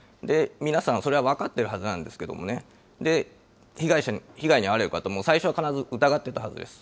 皆さん、それは分かっているはずなんですけれどもね、被害に遭われる方も最初は必ず疑ってたはずです。